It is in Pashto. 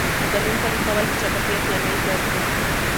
د قانون پلي کول د شفافیت لامل ګرځي.